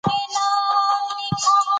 ریښتینولي غوره سیاست دی.